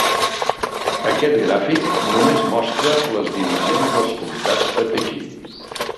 Aquest gràfic només mostra les divisions dels comtats de Pequín.